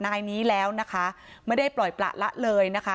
นายนี้แล้วนะคะไม่ได้ปล่อยประละเลยนะคะ